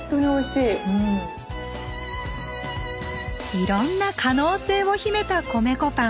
いろんな可能性を秘めた米粉パン。